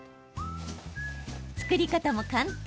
作り方も簡単。